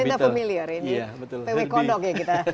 ini mungkin semuanya familiar ini vw kondok ya kita